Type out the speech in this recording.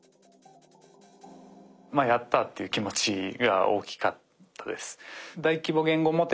「やった」っていう気持ちが大きかったです。